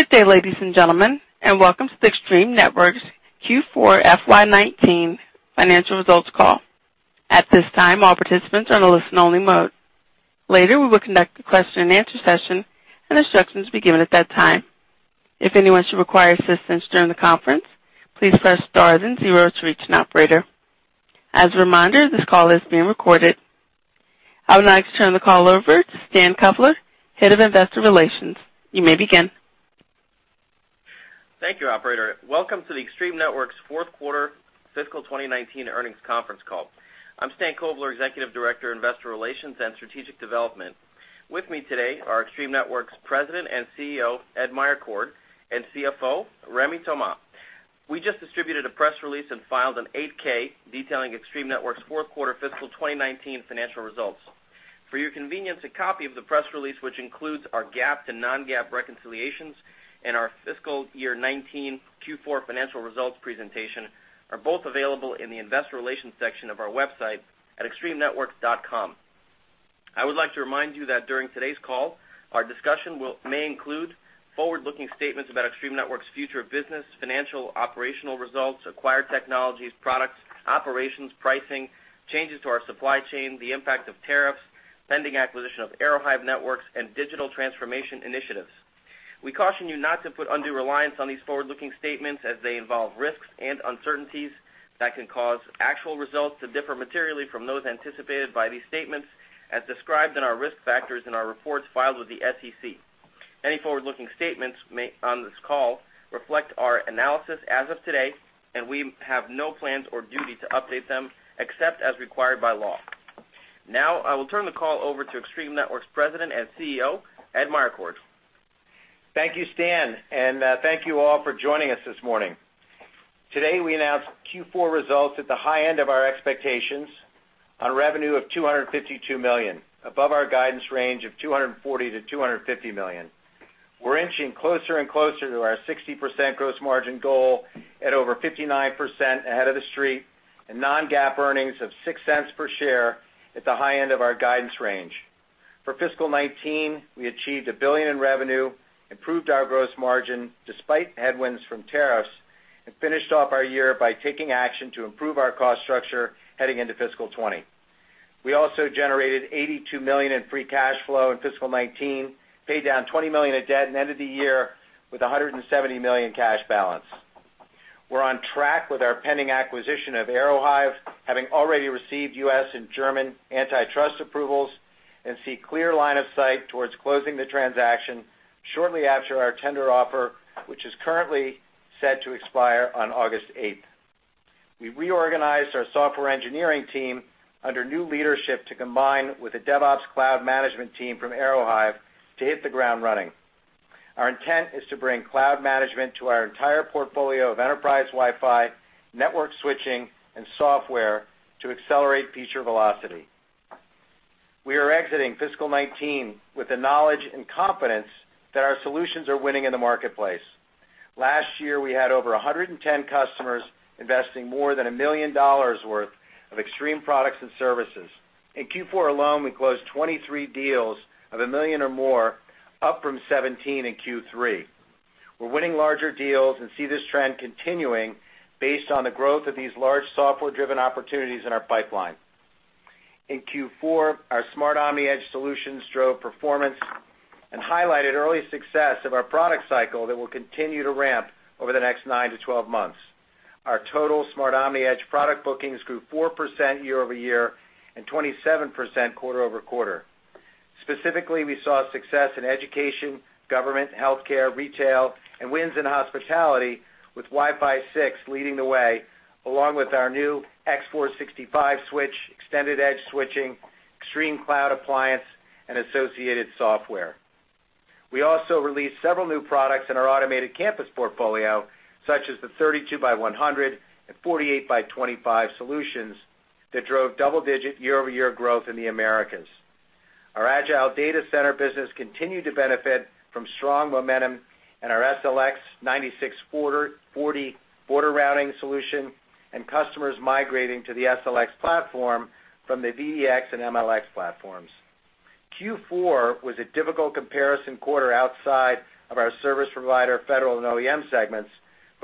Good day, ladies and gentlemen, and welcome to the Extreme Networks Q4 FY 2019 financial results call. At this time, all participants are on a listen-only mode. Later, we will conduct a question-and-answer session, and instructions will be given at that time. If anyone should require assistance during the conference, please press star then zero to reach an operator. As a reminder, this call is being recorded. I would like to turn the call over to Stan Kovler, Head of Investor Relations. You may begin. Thank you, operator. Welcome to the Extreme Networks fourth quarter fiscal 2019 earnings conference call. I'm Stan Kovler, Executive Director, Investor Relations and Strategic Development. With me today are Extreme Networks President and CEO, Ed Meyercord, and CFO, Rémi Thomas. We just distributed a press release and filed an 8-K detailing Extreme Networks' fourth quarter fiscal 2019 financial results. For your convenience, a copy of the press release, which includes our GAAP and non-GAAP reconciliations and our fiscal year 2019 Q4 financial results presentation, are both available in the investor relations section of our website at extremenetworks.com. I would like to remind you that during today's call, our discussion may include forward-looking statements about Extreme Networks' future business, financial operational results, acquired technologies, products, operations, pricing, changes to our supply chain, the impact of tariffs, pending acquisition of Aerohive Networks, and digital transformation initiatives. We caution you not to put undue reliance on these forward-looking statements as they involve risks and uncertainties that can cause actual results to differ materially from those anticipated by these statements as described in our risk factors in our reports filed with the SEC. Any forward-looking statements made on this call reflect our analysis as of today, and we have no plans or duty to update them except as required by law. Now, I will turn the call over to Extreme Networks President and CEO, Ed Meyercord. Thank you, Stan, and thank you all for joining us this morning. Today, we announced Q4 results at the high end of our expectations on revenue of $252 million, above our guidance range of $240 million-$250 million. We're inching closer and closer to our 60% gross margin goal at over 59% ahead of the street and non-GAAP earnings of $0.06 per share at the high end of our guidance range. For fiscal 2019, we achieved $1 billion in revenue, improved our gross margin despite headwinds from tariffs, and finished off our year by taking action to improve our cost structure heading into fiscal 2020. We also generated $82 million in free cash flow in fiscal 2019, paid down $20 million of debt, and ended the year with $170 million cash balance. We're on track with our pending acquisition of Aerohive, having already received U.S. and German antitrust approvals and see clear line of sight towards closing the transaction shortly after our tender offer, which is currently set to expire on August 8th. We reorganized our software engineering team under new leadership to combine with the DevOps cloud management team from Aerohive to hit the ground running. Our intent is to bring cloud management to our entire portfolio of enterprise Wi-Fi, network switching, and software to accelerate feature velocity. We are exiting fiscal 2019 with the knowledge and confidence that our solutions are winning in the marketplace. Last year, we had over 110 customers investing more than $1 million worth of Extreme products and services. In Q4 alone, we closed 23 deals of $1 million or more, up from 17 in Q3. We're winning larger deals and see this trend continuing based on the growth of these large software-driven opportunities in our pipeline. In Q4, our Smart OmniEdge solutions drove performance and highlighted early success of our product cycle that will continue to ramp over the next 9-12 months. Our total Smart OmniEdge product bookings grew 4% year-over-year and 27% quarter-over-quarter. Specifically, we saw success in education, government, healthcare, retail, and wins in hospitality with Wi-Fi 6 leading the way, along with our new X465 switch, extended edge switching, ExtremeCloud Appliance, and associated software. We also released several new products in our automated campus portfolio, such as the 32 by 100 and 48 by 25 solutions that drove double-digit year-over-year growth in the Americas. Our agile data center business continued to benefit from strong momentum in our SLX 9640 border routing solution and customers migrating to the SLX platform from the VDX and MLX platforms. Q4 was a difficult comparison quarter outside of our service provider, federal, and OEM segments.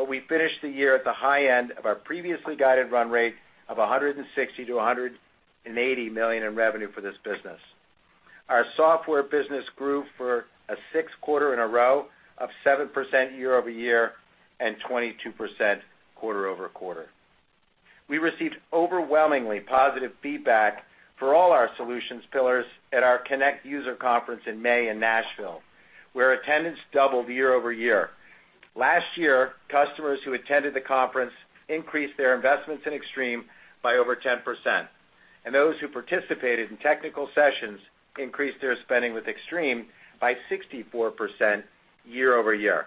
We finished the year at the high end of our previously guided run rate of $160 million-$180 million in revenue for this business. Our software business grew for a sixth quarter in a row of 7% year-over-year and 22% quarter-over-quarter. We received overwhelmingly positive feedback for all our solutions pillars at our Connect user conference in May in Nashville, where attendance doubled year-over-year. Last year, customers who attended the conference increased their investments in Extreme by over 10%, and those who participated in technical sessions increased their spending with Extreme by 64% year-over-year.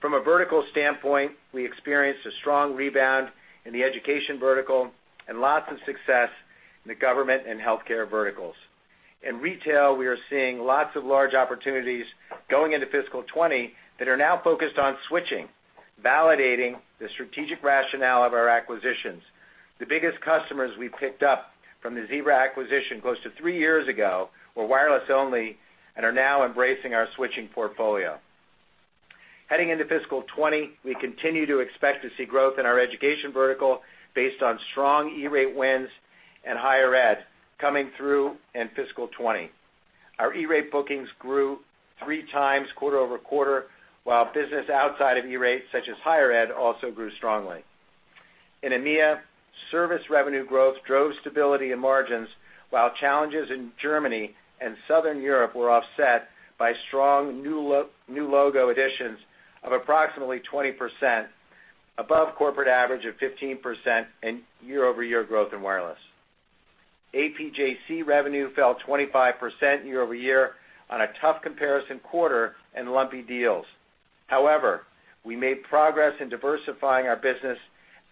From a vertical standpoint, we experienced a strong rebound in the education vertical and lots of success in the government and healthcare verticals. In retail, we are seeing lots of large opportunities going into fiscal 2020 that are now focused on switching. Validating the strategic rationale of our acquisitions. The biggest customers we picked up from the Zebra acquisition close to three years ago were wireless only and are now embracing our switching portfolio. Heading into fiscal 2020, we continue to expect to see growth in our education vertical based on strong E-rate wins and higher ed coming through in fiscal 2020. Our E-rate bookings grew three times quarter-over-quarter, while business outside of E-rate, such as higher ed, also grew strongly. In EMEA, service revenue growth drove stability in margins while challenges in Germany and Southern Europe were offset by strong new logo additions of approximately 20%, above corporate average of 15% in year-over-year growth in wireless. APJC revenue fell 25% year-over-year on a tough comparison quarter and lumpy deals. We made progress in diversifying our business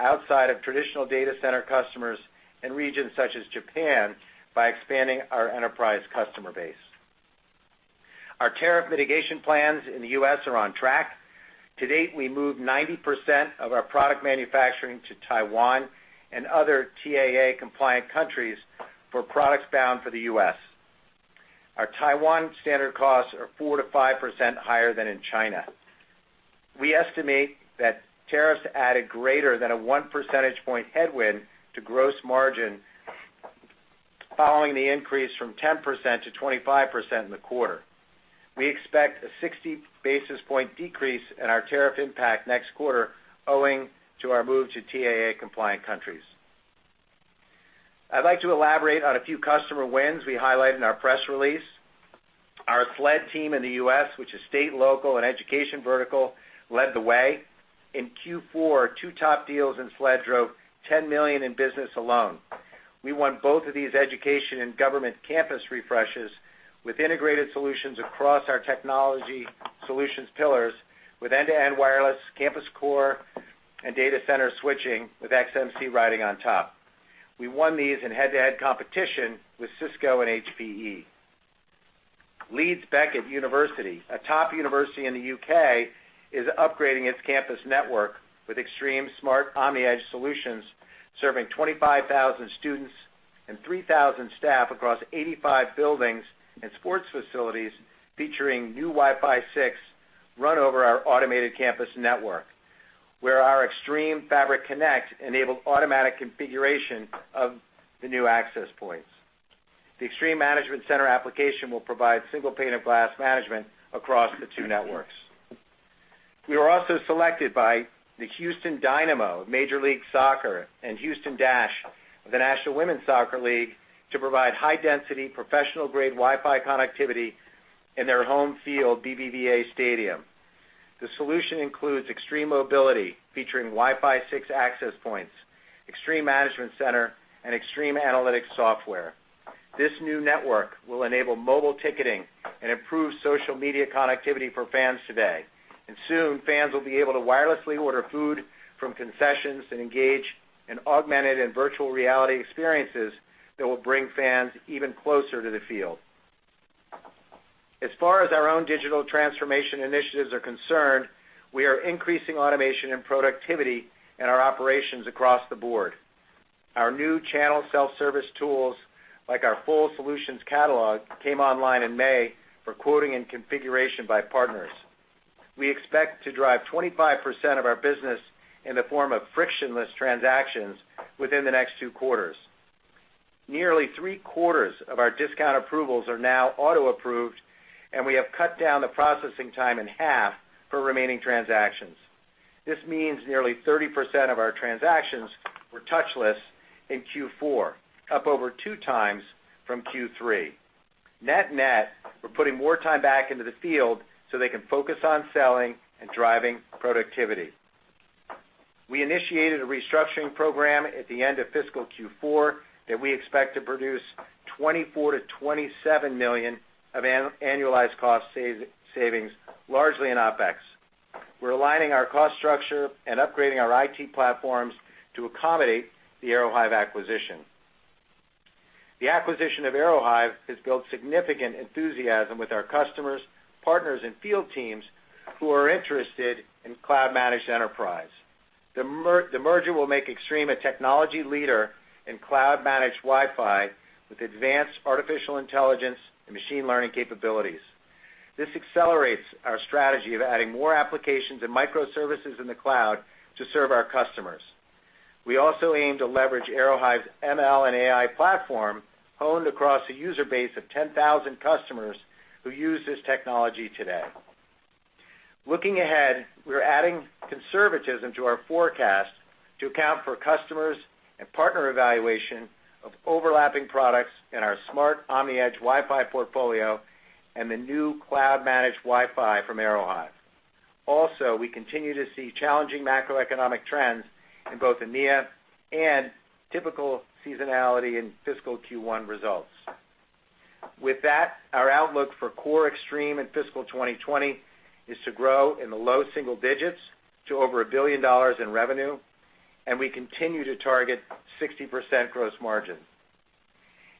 outside of traditional data center customers in regions such as Japan by expanding our enterprise customer base. Our tariff mitigation plans in the U.S. are on track. To date, we moved 90% of our product manufacturing to Taiwan and other TAA-compliant countries for products bound for the U.S. Our Taiwan standard costs are 4%-5% higher than in China. We estimate that tariffs added greater than a 1 percentage point headwind to gross margin following the increase from 10%-25% in the quarter. We expect a 60-basis-point decrease in our tariff impact next quarter owing to our move to TAA-compliant countries. I'd like to elaborate on a few customer wins we highlight in our press release. Our SLED team in the U.S., which is state, local, and education vertical, led the way. In Q4, two top deals in SLED drove $10 million in business alone. We won both of these education and government campus refreshes with integrated solutions across our technology solutions pillars with end-to-end wireless campus core and data center switching with XMC riding on top. We won these in head-to-head competition with Cisco and HPE. Leeds Beckett University, a top university in the U.K., is upgrading its campus network with Extreme Smart OmniEdge solutions, serving 25,000 students and 3,000 staff across 85 buildings and sports facilities featuring new Wi-Fi 6 run over our automated campus network, where our Extreme Fabric Connect enables automatic configuration of the new access points. The Extreme Management Center application will provide single pane of glass management across the two networks. We were also selected by the Houston Dynamo Major League Soccer and Houston Dash of the National Women's Soccer League to provide high-density, professional-grade Wi-Fi connectivity in their home field, BBVA Stadium. The solution includes Extreme Mobility, featuring Wi-Fi 6 access points, Extreme Management Center, and Extreme Analytics software. This new network will enable mobile ticketing and improve social media connectivity for fans today. Soon, fans will be able to wirelessly order food from concessions and engage in augmented and virtual reality experiences that will bring fans even closer to the field. As far as our own digital transformation initiatives are concerned, we are increasing automation and productivity in our operations across the board. Our new channel self-service tools, like our full solutions catalog, came online in May for quoting and configuration by partners. We expect to drive 25% of our business in the form of frictionless transactions within the next two quarters. Nearly three-quarters of our discount approvals are now auto-approved, and we have cut down the processing time in half for remaining transactions. This means nearly 30% of our transactions were touchless in Q4, up over 2x from Q3. Net net, we're putting more time back into the field so they can focus on selling and driving productivity. We initiated a restructuring program at the end of fiscal Q4 that we expect to produce $24 million-$27 million of annualized cost savings, largely in OpEx. We're aligning our cost structure and upgrading our IT platforms to accommodate the Aerohive acquisition. The acquisition of Aerohive has built significant enthusiasm with our customers, partners, and field teams who are interested in cloud-managed enterprise. The merger will make Extreme a technology leader in cloud-managed Wi-Fi with advanced artificial intelligence and machine learning capabilities. This accelerates our strategy of adding more applications and microservices in the cloud to serve our customers. We also aim to leverage Aerohive's ML and AI platform honed across a user base of 10,000 customers who use this technology today. Looking ahead, we're adding conservatism to our forecast to account for customers and partner evaluation of overlapping products in our Smart OmniEdge Wi-Fi portfolio and the new cloud-managed Wi-Fi from Aerohive. Also, we continue to see challenging macroeconomic trends in both EMEA and typical seasonality in fiscal Q1 results. With that, our outlook for core Extreme in fiscal 2020 is to grow in the low single digits to over $1 billion in revenue, and we continue to target 60% gross margin.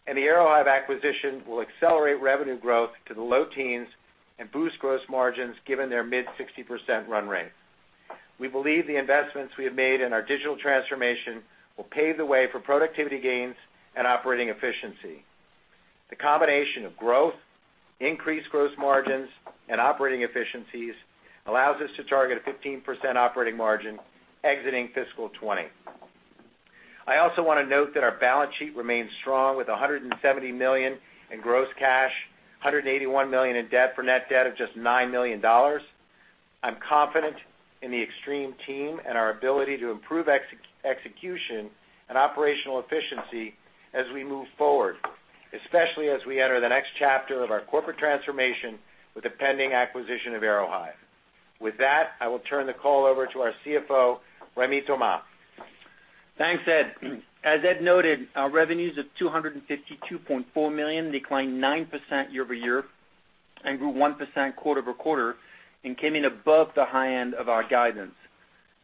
The Aerohive acquisition will accelerate revenue growth to the low teens and boost gross margins given their mid-60% run rate. We believe the investments we have made in our digital transformation will pave the way for productivity gains and operating efficiency. The combination of growth, increased gross margins, and operating efficiencies allows us to target a 15% operating margin exiting fiscal 2020. I also want to note that our balance sheet remains strong with $170 million in gross cash, $181 million in debt for net debt of just $9 million. I'm confident in the Extreme team and our ability to improve execution and operational efficiency as we move forward, especially as we enter the next chapter of our corporate transformation with the pending acquisition of Aerohive. With that, I will turn the call over to our CFO, Rémi Thomas. Thanks, Ed. As Ed noted, our revenues of $252.4 million declined 9% year-over-year and grew 1% quarter-over-quarter and came in above the high end of our guidance.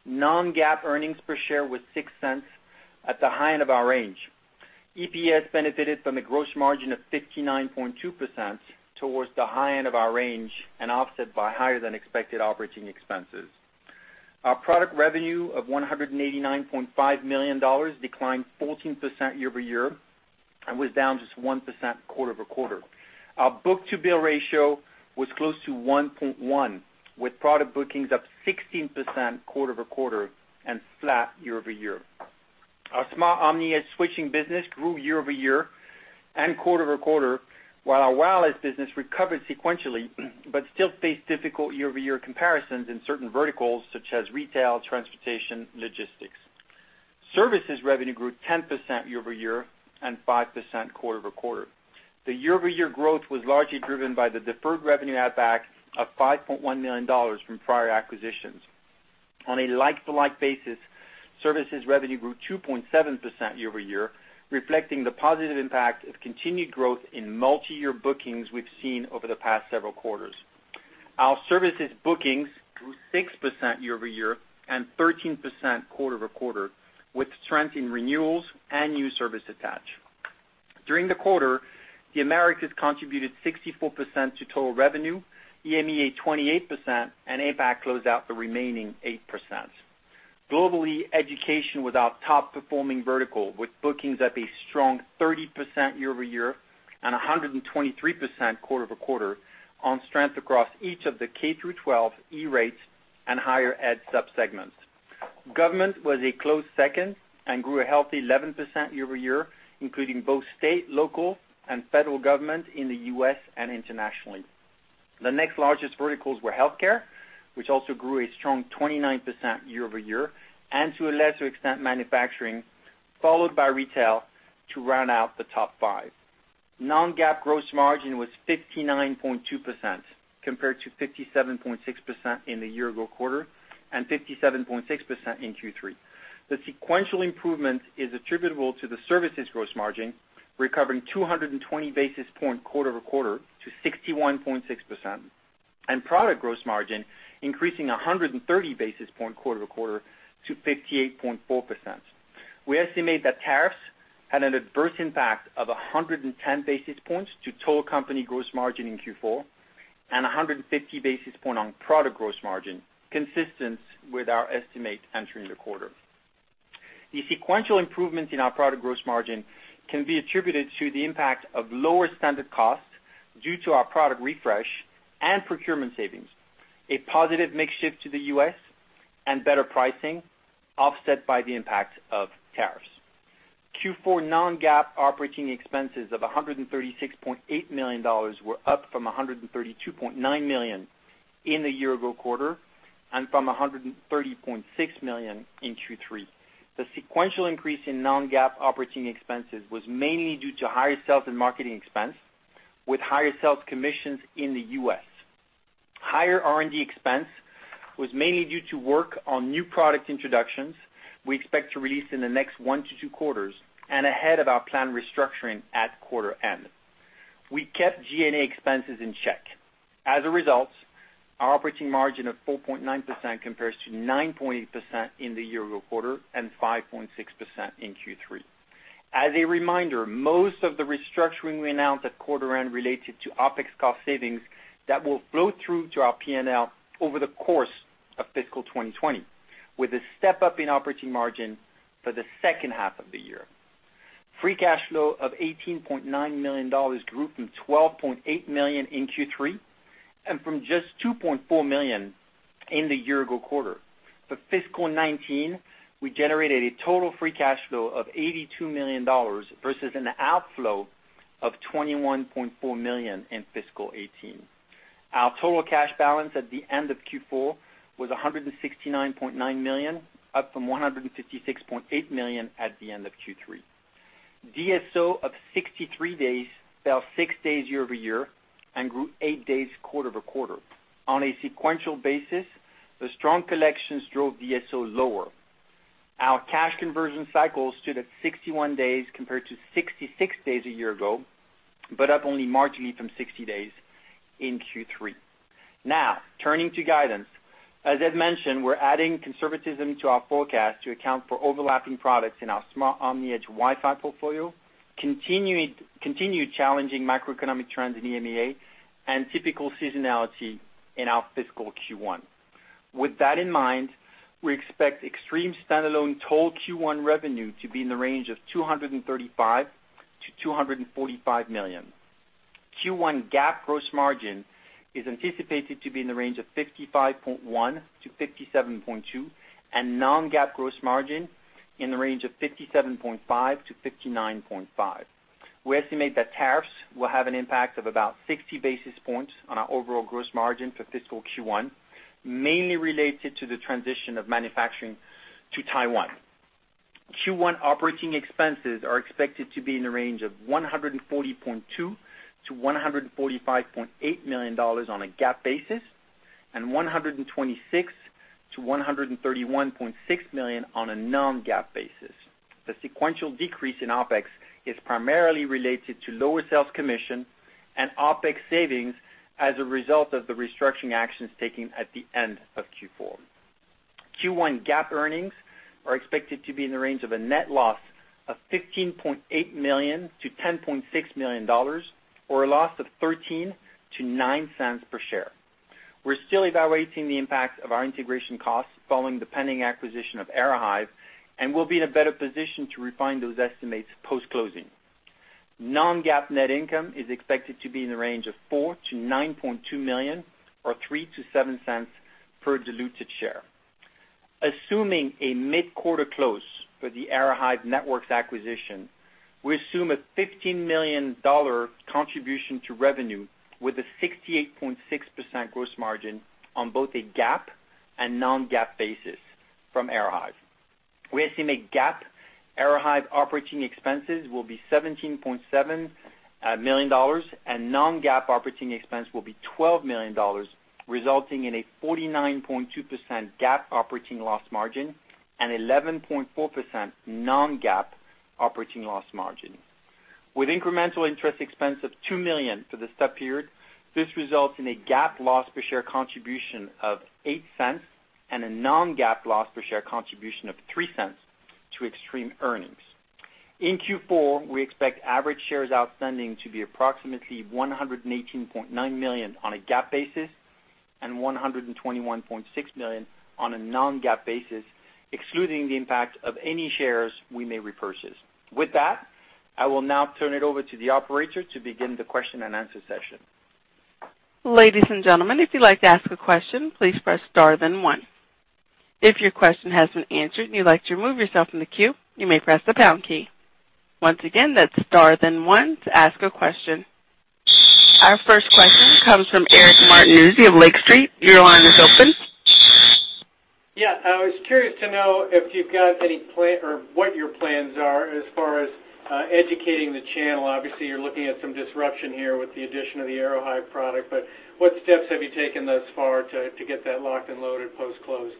Non-GAAP earnings per share was $0.06 at the high end of our range. EPS benefited from the gross margin of 59.2% towards the high end of our range and offset by higher than expected operating expenses. Our product revenue of $189.5 million declined 14% year-over-year and was down just 1% quarter-over-quarter. Our book-to-bill ratio was close to 1.1, with product bookings up 16% quarter-over-quarter and flat year-over-year. Our Smart OmniEdge switching business grew year-over-year and quarter-over-quarter, while our wireless business recovered sequentially, but still faced difficult year-over-year comparisons in certain verticals such as retail, transportation, logistics. Services revenue grew 10% year-over-year and 5% quarter-over-quarter. The year-over-year growth was largely driven by the deferred revenue add back of $5.1 million from prior acquisitions. On a like-to-like basis, services revenue grew 2.7% year-over-year, reflecting the positive impact of continued growth in multi-year bookings we've seen over the past several quarters. Our services bookings grew 6% year-over-year and 13% quarter-over-quarter, with strength in renewals and new service attached. During the quarter, the Americas contributed 64% to total revenue, EMEA 28%, and APAC closed out the remaining 8%. Globally, education was our top performing vertical, with bookings at a strong 30% year-over-year and 123% quarter-over-quarter on strength across each of the K through 12 E-rate and higher ed sub-segments. Government was a close second and grew a healthy 11% year-over-year, including both state, local, and federal government in the U.S. and internationally. The next largest verticals were healthcare, which also grew a strong 29% year-over-year, and to a lesser extent, manufacturing, followed by retail to round out the top five. Non-GAAP gross margin was 59.2%, compared to 57.6% in the year ago quarter and 57.6% in Q3. The sequential improvement is attributable to the services gross margin, recovering 220 basis points quarter-over-quarter to 61.6%, and product gross margin, increasing 130 basis points quarter-over-quarter to 58.4%. We estimate that tariffs had an adverse impact of 110 basis points to total company gross margin in Q4 and 150 basis points on product gross margin, consistent with our estimate entering the quarter. The sequential improvements in our product gross margin can be attributed to the impact of lower standard costs due to our product refresh and procurement savings, a positive mix shift to the U.S., and better pricing offset by the impact of tariffs. Q4 non-GAAP operating expenses of $136.8 million were up from $132.9 million in the year ago quarter and from $130.6 million in Q3. The sequential increase in non-GAAP operating expenses was mainly due to higher sales and marketing expense, with higher sales commissions in the U.S. Higher R&D expense was mainly due to work on new product introductions we expect to release in the next one to two quarters and ahead of our planned restructuring at quarter end. We kept G&A expenses in check. As a result, our operating margin of 4.9% compares to 9.8% in the year ago quarter and 5.6% in Q3. As a reminder, most of the restructuring we announced at quarter end related to OpEx cost savings that will flow through to our P&L over the course of fiscal 2020, with a step-up in operating margin for the second half of the year. Free cash flow of $18.9 million grew from $12.8 million in Q3 and from just $2.4 million in the year ago quarter. For fiscal 2019, we generated a total free cash flow of $82 million versus an outflow of $21.4 million in fiscal 2018. Our total cash balance at the end of Q4 was $169.9 million, up from $156.8 million at the end of Q3. DSO of 63 days, fell six days year-over-year and grew eight days quarter-over-quarter. On a sequential basis, the strong collections drove DSO lower. Our cash conversion cycle stood at 61 days compared to 66 days a year ago. Up only marginally from 60 days in Q3. Now, turning to guidance. As Ed mentioned, we're adding conservatism to our forecast to account for overlapping products in our Smart OmniEdge Wi-Fi portfolio, continued challenging macroeconomic trends in EMEA, and typical seasonality in our fiscal Q1. With that in mind, we expect Extreme standalone total Q1 revenue to be in the range of $235 million-$245 million. Q1 GAAP gross margin is anticipated to be in the range of 55.1%-57.2%, and non-GAAP gross margin in the range of 57.5%-59.5%. We estimate that tariffs will have an impact of about 60 basis points on our overall gross margin for fiscal Q1, mainly related to the transition of manufacturing to Taiwan. Q1 operating expenses are expected to be in the range of $140.2 million-$145.8 million on a GAAP basis, and $126 million-$131.6 million on a non-GAAP basis. The sequential decrease in OpEx is primarily related to lower sales commission and OpEx savings as a result of the restructuring actions taken at the end of Q4. Q1 GAAP earnings are expected to be in the range of a net loss of $15.8 million-$10.6 million, or a loss of $0.13-$0.09 per share. We're still evaluating the impacts of our integration costs following the pending acquisition of Aerohive, and we'll be in a better position to refine those estimates post-closing. Non-GAAP net income is expected to be in the range of $4 million-$9.2 million, or $0.03-$0.07 per diluted share. Assuming a mid-quarter close for the Aerohive Networks acquisition, we assume a $15 million contribution to revenue with a 68.6% gross margin on both a GAAP and non-GAAP basis from Aerohive. We estimate GAAP Aerohive operating expenses will be $17.7 million, and non-GAAP operating expense will be $12 million, resulting in a 49.2% GAAP operating loss margin and 11.4% non-GAAP operating loss margin. With incremental interest expense of $2 million for the sub-period, this results in a GAAP loss per share contribution of $0.08 and a non-GAAP loss per share contribution of $0.03 to Extreme earnings. In Q4, we expect average shares outstanding to be approximately 118.9 million on a GAAP basis and 121.6 million on a non-GAAP basis, excluding the impact of any shares we may repurchase. With that, I will now turn it over to the operator to begin the question-and-answer session. Ladies and gentlemen, if you'd like to ask a question, please press star then one. If your question has been answered and you'd like to remove yourself from the queue, you may press the pound key. Once again, that's star then one to ask a question. Our first question comes from Eric Martinuzzi of Lake Street. Your line is open. Yeah. I was curious to know what your plans are as far as educating the channel. Obviously, you're looking at some disruption here with the addition of the Aerohive product, but what steps have you taken thus far to get that locked and loaded post-close?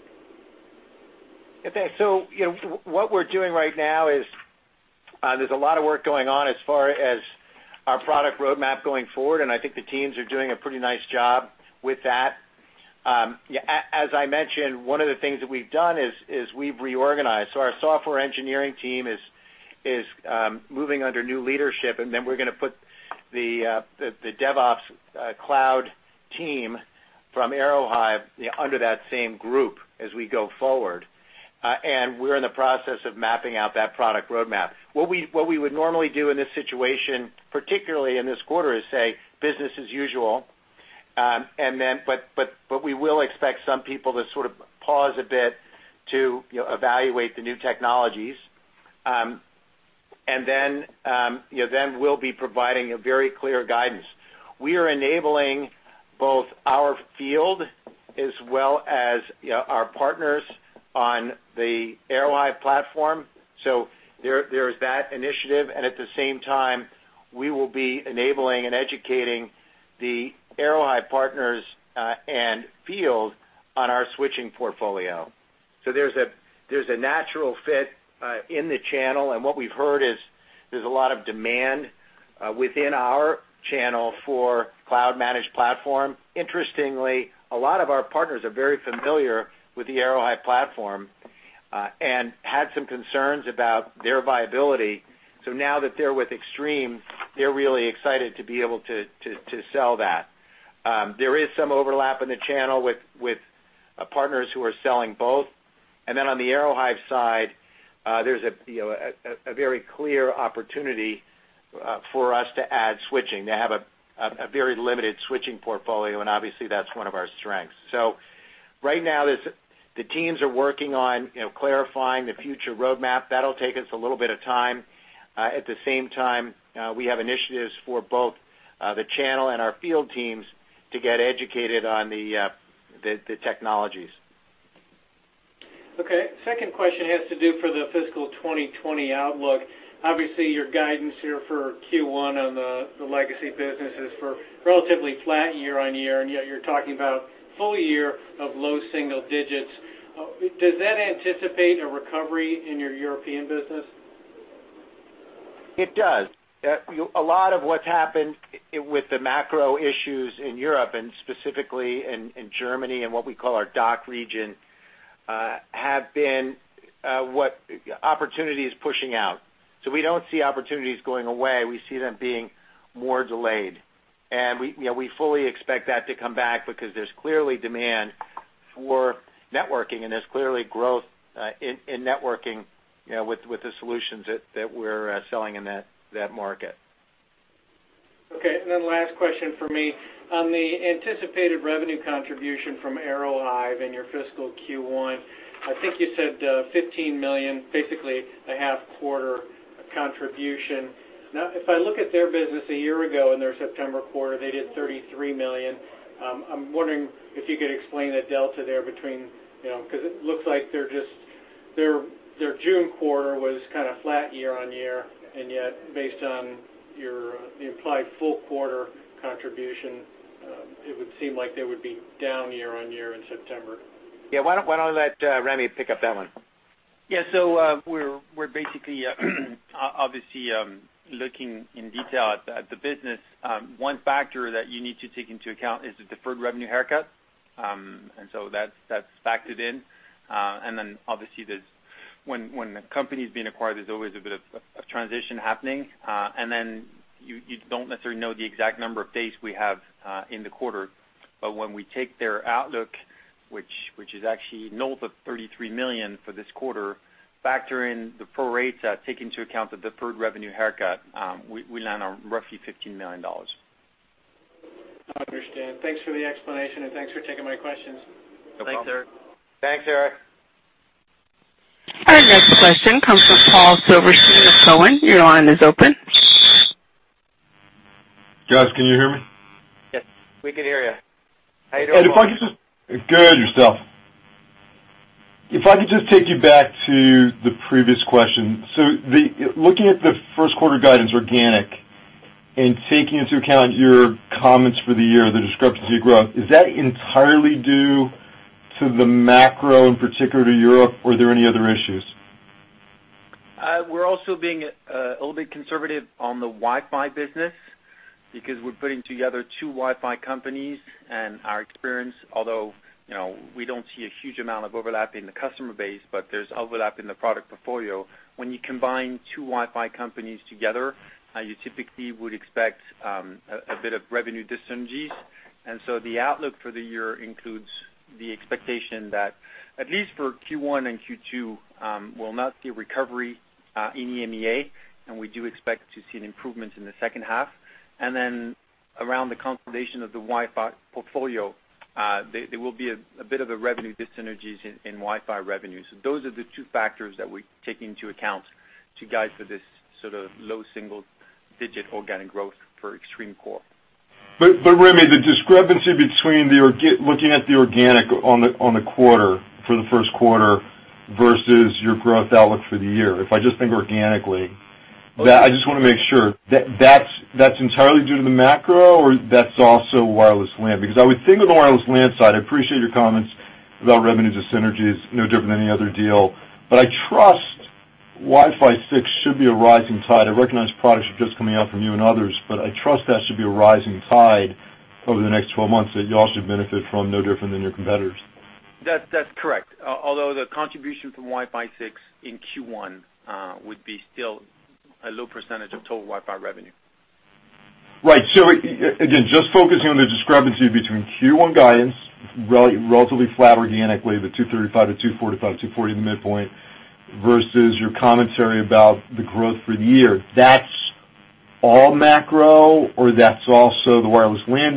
What we're doing right now is, there's a lot of work going on as far as our product roadmap going forward, and I think the teams are doing a pretty nice job with that. As I mentioned, one of the things that we've done is we've reorganized. Our software engineering team is moving under new leadership, and then we're going to put the DevOps cloud team from Aerohive under that same group as we go forward. We're in the process of mapping out that product roadmap. What we would normally do in this situation, particularly in this quarter, is say business as usual. We will expect some people to sort of pause a bit to evaluate the new technologies. We'll be providing a very clear guidance. We are enabling both our field as well as our partners on the Aerohive platform. There's that initiative, and at the same time, we will be enabling and educating the Aerohive partners and field on our switching portfolio. What we've heard is there's a lot of demand within our channel for cloud-managed platform. Interestingly, a lot of our partners are very familiar with the Aerohive platform, and had some concerns about their viability. Now that they're with Extreme, they're really excited to be able to sell that. There is some overlap in the channel with partners who are selling both, and then on the Aerohive side, there's a very clear opportunity for us to add switching. They have a very limited switching portfolio, and obviously that's one of our strengths. Right now, the teams are working on clarifying the future roadmap. That'll take us a little bit of time. At the same time, we have initiatives for both the channel and our field teams to get educated on the technologies. Okay. Second question has to do for the fiscal 2020 outlook. Obviously, your guidance here for Q1 on the legacy business is for relatively flat year-on-year, and yet you're talking about full year of low single digits. Does that anticipate a recovery in your European business? It does. A lot of what's happened with the macro issues in Europe, and specifically in Germany and what we call our DACH region, have been what opportunity is pushing out. We don't see opportunities going away. We see them being more delayed. We fully expect that to come back because there's clearly demand for networking, and there's clearly growth in networking with the solutions that we're selling in that market. Okay, last question from me. On the anticipated revenue contribution from Aerohive in your fiscal Q1, I think you said $15 million, basically a half quarter contribution. If I look at their business a year ago in their September quarter, they did $33 million. I'm wondering if you could explain the delta there. Because it looks like their June quarter was kind of flat year-on-year, and yet based on the implied full quarter contribution, it would seem like they would be down year-on-year in September. Yeah, why don't I let Rémi pick up that one? We're basically, obviously, looking in detail at the business. One factor that you need to take into account is the deferred revenue haircut. That's factored in. Obviously, when a company's being acquired, there's always a bit of transition happening. You don't necessarily know the exact number of days we have in the quarter. When we take their outlook, which is actually north of $33 million for this quarter, factor in the pro rates that take into account the deferred revenue haircut, we land on roughly $15 million. I understand. Thanks for the explanation, and thanks for taking my questions. No problem. Thanks, Eric. Our next question comes from Paul Silverstein of Cowen. Your line is open. Guys, can you hear me? Yes, we can hear you. How you doing, Paul? Good. Yourself? If I could just take you back to the previous question. Looking at the first quarter guidance organic, and taking into account your comments for the year, the discrepancy growth, is that entirely due to the macro, in particular to Europe, or are there any other issues? We're also being a little bit conservative on the Wi-Fi business because we're putting together two Wi-Fi companies and our experience, although, we don't see a huge amount of overlap in the customer base, but there's overlap in the product portfolio. When you combine two Wi-Fi companies together, you typically would expect a bit of revenue dyssynergies. The outlook for the year includes the expectation that at least for Q1 and Q2, we'll not see a recovery in EMEA, and we do expect to see an improvement in the second half. Around the consolidation of the Wi-Fi portfolio, there will be a bit of a revenue dyssynergies in Wi-Fi revenues. Those are the two factors that we take into account to guide for this sort of low single-digit organic growth for Extreme Core. Rémi, the discrepancy between looking at the organic on the quarter for the first quarter versus your growth outlook for the year, if I just think organically, I just want to make sure that's entirely due to the macro or that's also WLAN? I would think of the WLAN side, I appreciate your comments about revenue dyssynergies, no different than any other deal, but I trust Wi-Fi 6 should be a rising tide. I recognize products are just coming out from you and others, I trust that should be a rising tide over the next 12 months that you all should benefit from no different than your competitors. That's correct. Although the contribution from Wi-Fi 6 in Q1 would be still a low percentage of total Wi-Fi revenue. Right. Again, just focusing on the discrepancy between Q1 guidance, relatively flat organically, the $235 to $245 to $240 the midpoint, versus your commentary about the growth for the year. That's all macro or that's also the wireless LAN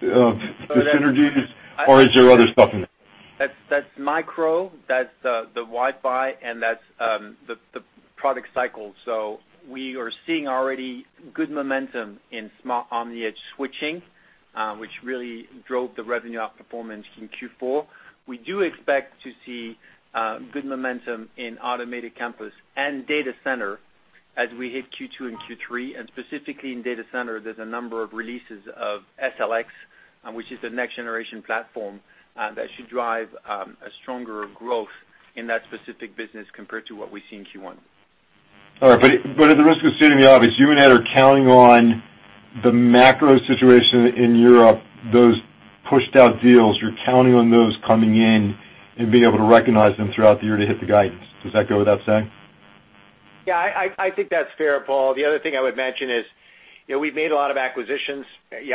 dyssynergies or is there other stuff in there? That's micro, that's the Wi-Fi, and that's the product cycle. We are seeing already good momentum in Smart OmniEdge switching, which really drove the revenue outperformance in Q4. We do expect to see good momentum in automated campus and data center as we hit Q2 and Q3. Specifically in data center, there's a number of releases of SLX, which is the next generation platform that should drive a stronger growth in that specific business compared to what we see in Q1. All right. At the risk of stating the obvious, you and Ed are counting on the macro situation in Europe, those pushed out deals, you're counting on those coming in and being able to recognize them throughout the year to hit the guidance. Does that go without saying? Yeah, I think that's fair, Paul. The other thing I would mention is, we've made a lot of acquisitions.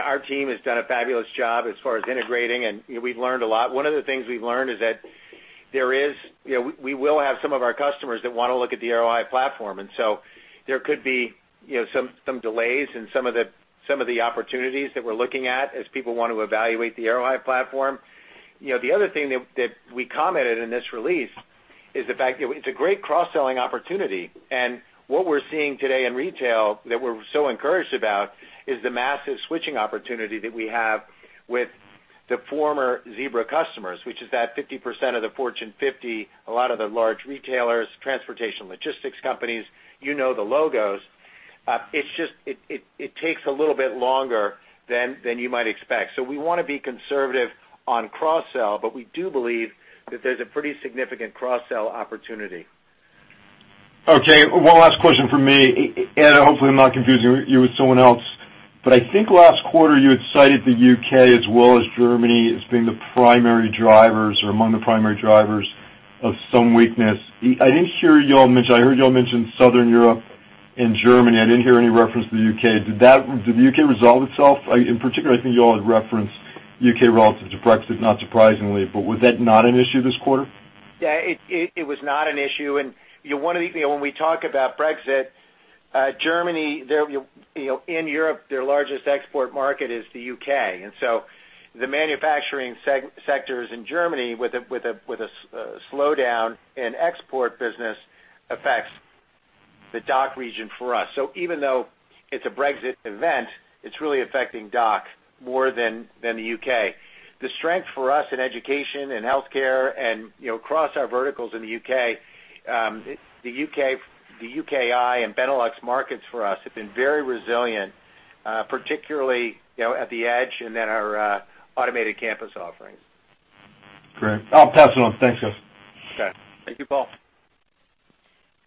Our team has done a fabulous job as far as integrating, and we've learned a lot. One of the things we've learned is that we will have some of our customers that want to look at the Aerohive AI platform, and so there could be some delays in some of the opportunities that we're looking at as people want to evaluate the Aerohive AI platform. The other thing that we commented in this release is the fact that it's a great cross-selling opportunity. What we're seeing today in retail that we're so encouraged about is the massive switching opportunity that we have with the former Zebra customers, which is that 50% of the Fortune 50, a lot of the large retailers, transportation logistics companies, you know the logos. It just takes a little bit longer than you might expect. We want to be conservative on cross-sell, but we do believe that there's a pretty significant cross-sell opportunity. Okay. One last question from me. Hopefully I'm not confusing you with someone else, but I think last quarter you had cited the U.K. as well as Germany as being the primary drivers or among the primary drivers of some weakness. I heard y'all mention Southern Europe and Germany. I didn't hear any reference to the U.K. Did the U.K. resolve itself? In particular, I think y'all had referenced U.K. relative to Brexit, not surprisingly, but was that not an issue this quarter? Yeah, it was not an issue. When we talk about Brexit, Germany, in Europe, their largest export market is the U.K. The manufacturing sectors in Germany with a slowdown in export business affects the DACH region for us. Even though it's a Brexit event, it's really affecting DACH more than the U.K. The strength for us in education and healthcare and across our verticals in the U.K., the UKI and Benelux markets for us have been very resilient, particularly at the edge and then our automated campus offerings. Great. I'll pass it on. Thanks, guys. Okay. Thank you, Paul.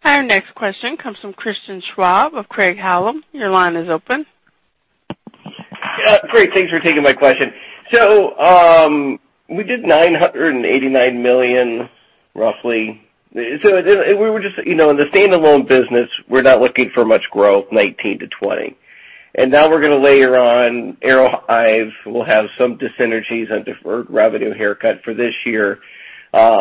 Our next question comes from Christian Schwab of Craig-Hallum. Your line is open. Great. Thanks for taking my question. We did $989 million, roughly. In the standalone business, we're not looking for much growth, 19%-20%. Now we're going to layer on Aerohive. We'll have some dis-synergies and deferred revenue haircut for this year. Let's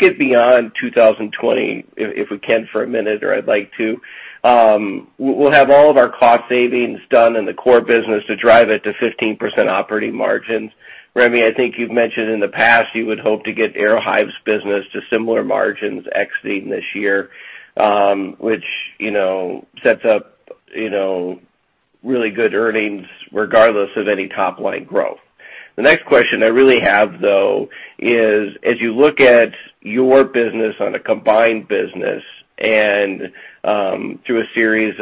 get beyond 2020, if we can for a minute, or I'd like to. We'll have all of our cost savings done in the core business to drive it to 15% operating margins. Rémi, I think you've mentioned in the past, you would hope to get Aerohive's business to similar margins exiting this year, which sets up really good earnings regardless of any top-line growth. The next question I really have, though, is as you look at your business on a combined business and through a series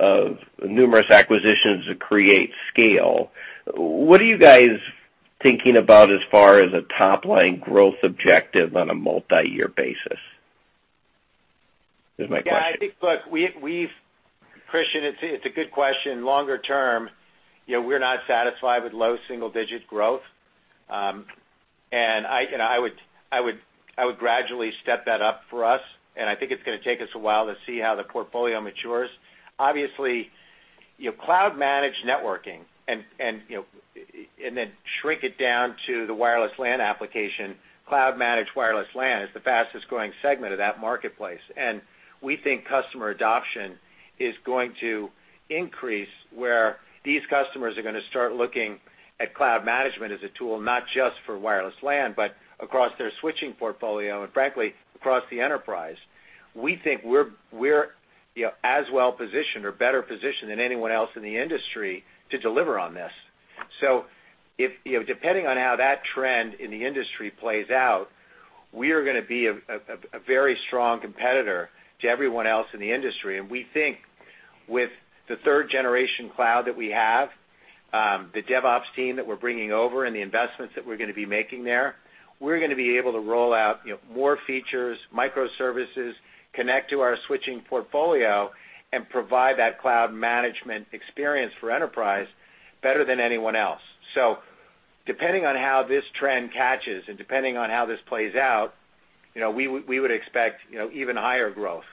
of numerous acquisitions to create scale, what are you guys thinking about as far as a top-line growth objective on a multi-year basis? Here's my question. Yeah, I think, look, Christian, it's a good question. Longer term, we're not satisfied with low single-digit growth. I would gradually step that up for us, and I think it's going to take us a while to see how the portfolio matures. Obviously, cloud-managed networking, and then shrink it down to the wireless LAN application, cloud-managed wireless LAN is the fastest-growing segment of that marketplace. We think customer adoption is going to increase where these customers are going to start looking at cloud management as a tool, not just for wireless LAN, but across their switching portfolio, and frankly, across the enterprise. We think we're as well-positioned or better positioned than anyone else in the industry to deliver on this. Depending on how that trend in the industry plays out, we are going to be a very strong competitor to everyone else in the industry. We think with the third-generation cloud that we have, the DevOps team that we're bringing over and the investments that we're going to be making there, we're going to be able to roll out more features, microservices, connect to our switching portfolio, and provide that cloud management experience for enterprise better than anyone else. Depending on how this trend catches and depending on how this plays out, we would expect even higher growth.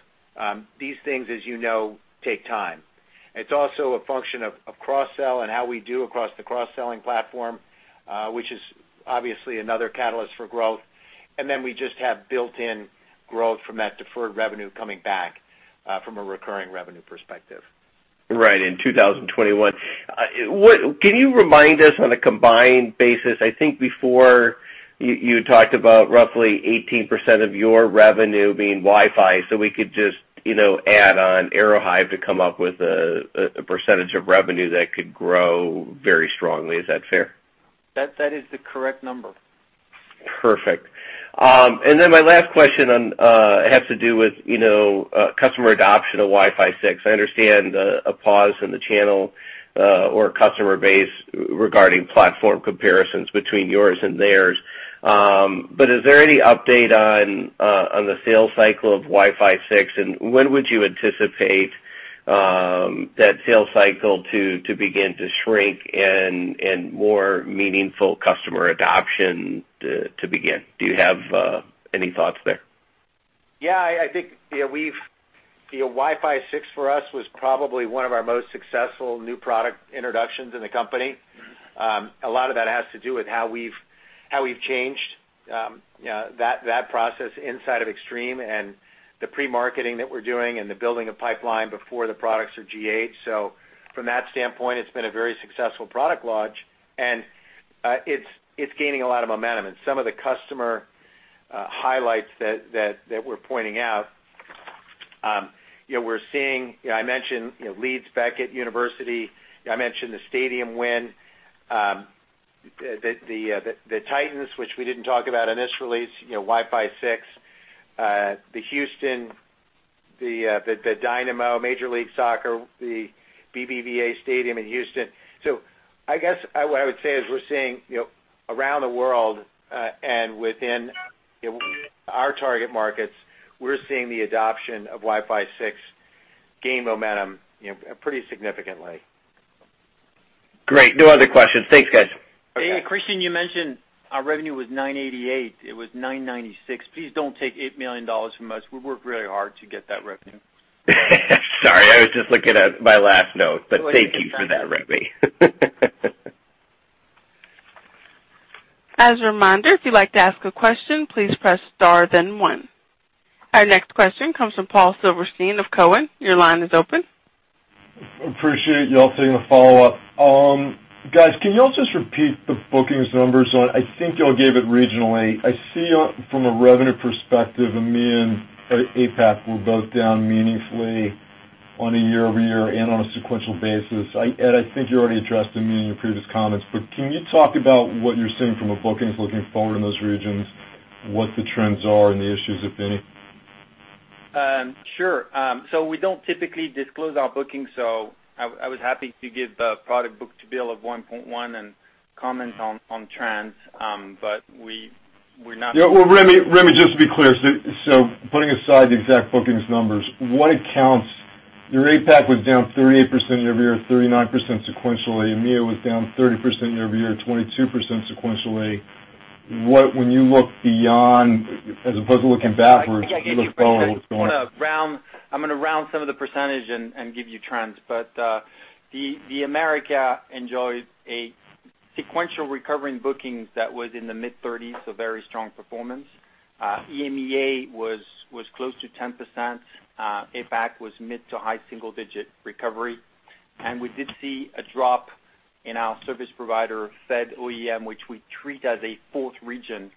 These things, as you know, take time. It's also a function of cross-sell and how we do across the cross-selling platform, which is obviously another catalyst for growth. Then we just have built-in growth from that deferred revenue coming back from a recurring revenue perspective. Right, in 2021. Can you remind us on a combined basis, I think before you talked about roughly 18% of your revenue being Wi-Fi, so we could just add on Aerohive to come up with a percentage of revenue that could grow very strongly. Is that fair? That is the correct number. Perfect. My last question has to do with customer adoption of Wi-Fi 6. I understand a pause in the channel or customer base regarding platform comparisons between yours and theirs, but is there any update on the sales cycle of Wi-Fi 6, and when would you anticipate that sales cycle to begin to shrink and more meaningful customer adoption to begin? Do you have any thoughts there? Yeah, I think Wi-Fi 6 for us was probably one of our most successful new product introductions in the company. A lot of that has to do with how we've changed that process inside of Extreme and the pre-marketing that we're doing and the building of pipeline before the products are G&A'd. From that standpoint, it's been a very successful product launch, and it's gaining a lot of momentum. Some of the customer highlights that we're pointing out, we're seeing, I mentioned Leeds Beckett University. I mentioned the stadium win. The Titans, which we didn't talk about in this release, Wi-Fi 6. The Houston, the Dynamo, Major League Soccer, the BBVA Stadium in Houston. I guess what I would say is we're seeing around the world, and within our target markets, we're seeing the adoption of Wi-Fi 6 gain momentum pretty significantly. Great. No other questions. Thanks, guys. Hey, Christian, you mentioned our revenue was $988. It was $996. Please don't take $8 million from us. We worked very hard to get that revenue. Sorry, I was just looking at my last note, but thank you for that, Rémi. As a reminder, if you'd like to ask a question, please press star then one. Our next question comes from Paul Silverstein of Cowen. Your line is open. Appreciate you all taking the follow-up. Guys, can you all just repeat the bookings numbers? I think you all gave it regionally. I see from a revenue perspective, EMEA and APAC were both down meaningfully on a year-over-year and on a sequential basis. Ed, I think you already addressed EMEA in your previous comments. Can you talk about what you're seeing from a bookings looking forward in those regions, what the trends are and the issues, if any? Sure. We don't typically disclose our bookings, so I was happy to give the product book-to-bill of 1.1 and comment on trends. Yeah. Well, Rémi, just to be clear. Putting aside the exact bookings numbers, your APAC was down 38% year-over-year, 39% sequentially. EMEA was down 30% year-over-year, 22% sequentially. When you look beyond, as opposed to looking backwards, looking forward, what's going on? I'm going to round some of the percent and give you trends. The America enjoyed a sequential recovery in bookings that was in the mid-30s, so very strong performance. EMEA was close to 10%. APAC was mid to high single-digit recovery. We did see a drop in our service provider Fed OEM, which we treat as a fourth region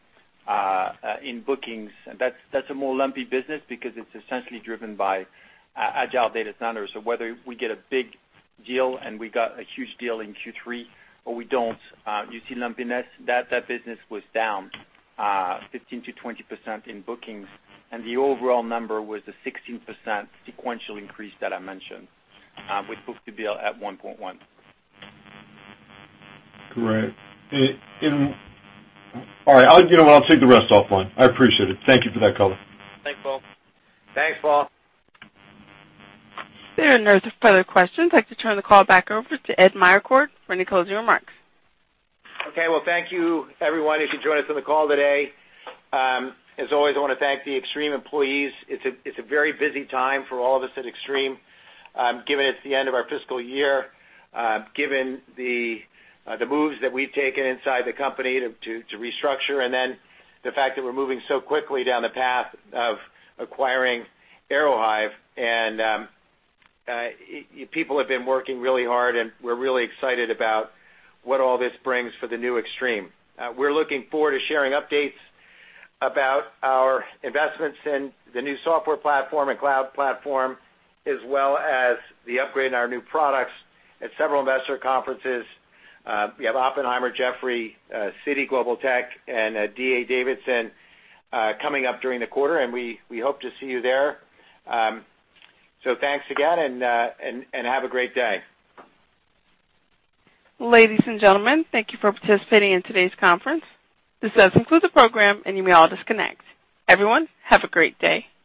in bookings. That's a more lumpy business because it's essentially driven by agile data centers or whether we get a big deal, and we got a huge deal in Q3 or we don't. You see lumpiness. That business was down 15%-20% in bookings, and the overall number was a 16% sequential increase that I mentioned, with book-to-bill at 1.1. Great. All right. You know what? I'll take the rest offline. I appreciate it. Thank you for that color. Thanks, Paul. Thanks, Paul. There are no further questions. I'd like to turn the call back over to Ed Meyercord for any closing remarks. Well, thank you everyone who could join us on the call today. As always, I want to thank the Extreme employees. It's a very busy time for all of us at Extreme, given it's the end of our fiscal year, given the moves that we've taken inside the company to restructure, the fact that we're moving so quickly down the path of acquiring Aerohive. People have been working really hard, and we're really excited about what all this brings for the new Extreme. We're looking forward to sharing updates about our investments in the new software platform and cloud platform, as well as the upgrade in our new products at several investor conferences. We have Oppenheimer, Jefferies, Citi Global Tech and D.A. Davidson coming up during the quarter, we hope to see you there. Thanks again, and have a great day. Ladies and gentlemen, thank you for participating in today's conference. This does conclude the program, and you may all disconnect. Everyone, have a great day.